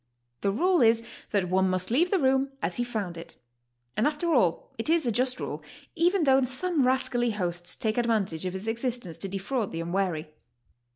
The rule is that one must leave the room as he found it, and after all it is a just rule, even though some rascally hosts take advantage of its existence to defraud the unwary.